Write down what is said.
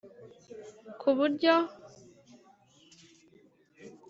ku buryo bugaragara bituma hubakwa amahoteli menshi kandi meza